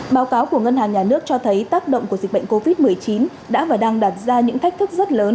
báo cáo của ngân hàng nhà nước cho thấy tác động của dịch bệnh covid một mươi chín đã và đang đặt ra những thách thức rất lớn